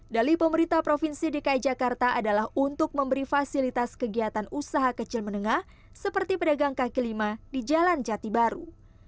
dali pemerintah provinsi dki jakarta adalah untuk memberi fasilitas kegiatan usaha kecil menengah seperti pedagang kaki lima di jalan jati baru